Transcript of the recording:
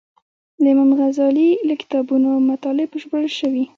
له امام غزالي له کتابو مطالب ژباړل شوي.